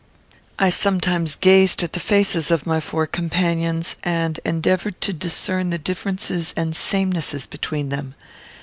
I sometimes gazed at the faces of my four companions, and endeavoured to discern the differences and samenesses between them.